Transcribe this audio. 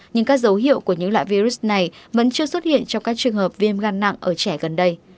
nhưng các dấu hiệu của những loại virus này vẫn chưa xuất hiện trong các trường hợp viêm gan nặng ở trẻ gần đây